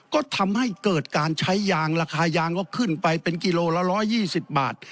ก็ทำให้เกิดการใช้ยางราคายางก็ขึ้นไปเป็นกิโลละ๑๒๐บาท